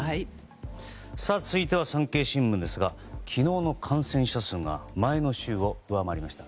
続いては産経新聞ですが昨日の感染者数が前の週を上回りました。